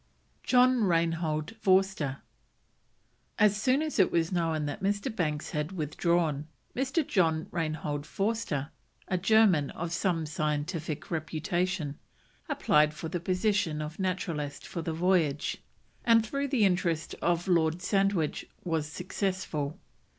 JOHN REINHOLD FORSTER. As soon as it was known that Mr. Banks had withdrawn, Mr. John Reinhold Forster, a German of some scientific reputation, applied for the position of naturalist for the voyage, and, through the interest of Lord Sandwich, was successful.